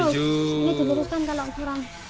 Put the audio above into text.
ini diuruskan kalo kurang